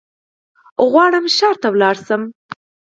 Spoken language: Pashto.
غواړم ښار ته ولاړشم